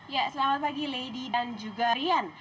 ya selamat pagi lady dan juga rian